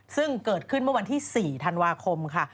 ซึ่งเกิดขึ้นเมื่อวันที่๔ธันวาคมค่ะ